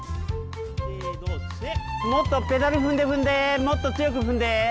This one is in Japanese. もっとペダル踏んで踏んでもっと強く踏んで。